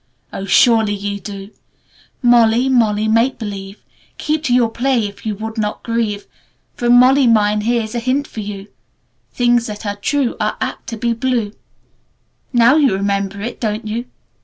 Oh, surely you do: "'Molly, Molly Make Believe, Keep to your play if you would not grieve! For Molly Mine here's a hint for you, Things that are true are apt to be blue!' "Now you remember it, don't you?